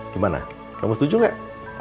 gimana kamu setuju nggak